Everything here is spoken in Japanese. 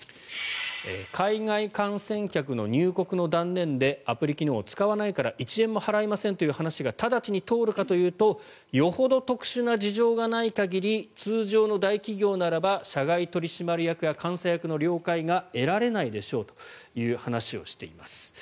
海外観戦客の入国の断念でアプリ機能を使わないから１円も払いませんという話が直ちに通るかというとよほど特殊な事情がない限り通常の大企業ならば社外取締役や監査役の了解が得られないでしょうという話をしています。